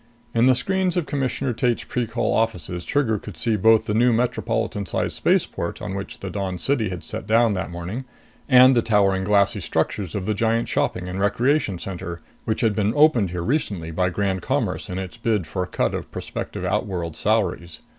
In the screens of Commissioner Tate's Precol offices, Trigger could see both the new metropolitan sized spaceport on which the Dawn City had set down that morning, and the towering glassy structures of the giant shopping and recreation center, which had been opened here recently by Grand Commerce in its bid for a cut of prospective outworld salaries.